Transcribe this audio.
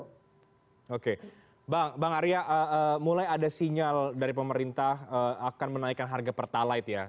artinya sepi lah jadi ini hukum pasar kok oke bang arya mulai ada sinyal dari pemerintah akan menaikkan harga pertalaid ya